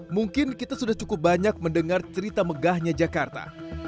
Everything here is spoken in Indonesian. mungkin kita sudah cukup banyak mendengar cerita megahnya jakarta